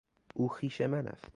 او خویش من است